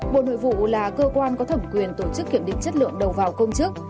bộ nội vụ là cơ quan có thẩm quyền tổ chức kiểm định chất lượng đầu vào công chức